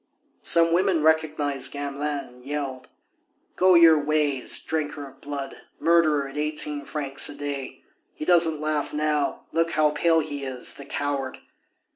Some women recognized Gamelin and yelled: "Go your ways, drinker of blood! murderer at eighteen francs a day!... He doesn't laugh now; look how pale he is, the coward!"